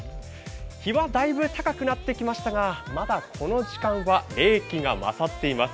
日はだいぶ高くなってきたんですがこの時間は冷気が勝っています。